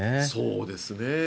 そうですね。